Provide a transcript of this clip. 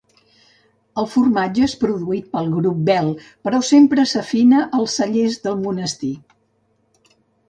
El formatge és produït pel grup Bel, però sempre s'afina als cellers del monestir.